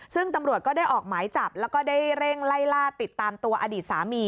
ซึ่งตำรวจก็ได้ออกหมายจับแล้วก็ได้เร่งไล่ล่าติดตามตัวอดีตสามี